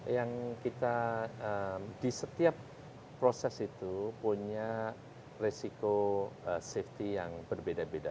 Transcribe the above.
yang kita di setiap proses itu punya resiko safety yang berbeda beda